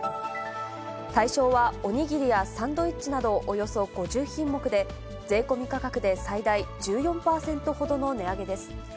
対象は、おにぎりやサンドイッチなどおよそ５０品目で、税込み価格で最大１４％ほどの値上げです。